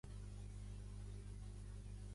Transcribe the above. Pertany al municipi d'Ensenada.